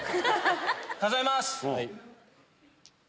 数えます！